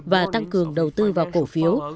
và tăng cường đầu tư vào cổ phiếu